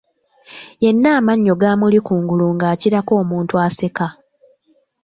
Yenna amannyo gaamuli ku ngulu ng'akirako omuntu aseka.